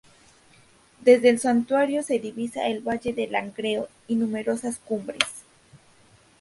Desde el Santuario se divisa el Valle de Langreo y numerosas cumbres.